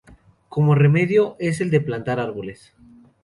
Como remedio es el plantar árboles.